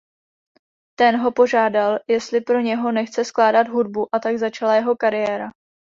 Ten ho požádal jestli pro něho nechce skládat hudbu a tak začala jeho kariéra.